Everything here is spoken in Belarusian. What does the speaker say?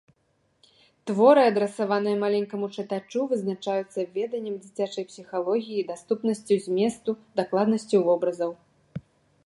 Творы, адрасаваныя маленькаму чытачу, вызначаюцца веданнем дзіцячай псіхалогіі, даступнасцю зместу, дакладнасцю вобразаў.